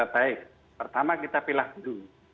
baik pertama kita pilah dulu